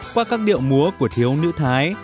qua các điệu múa của thiếu nữ thái